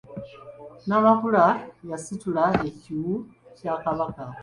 Namakula y’asitula ekiwu kya Kabaka.